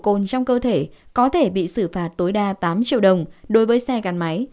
cồn trong cơ thể có thể bị xử phạt tối đa tám triệu đồng đối với xe gắn máy